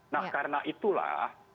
nah karena itulah